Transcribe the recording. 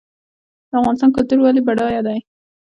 د افغانستان کلتور ولې بډای دی؟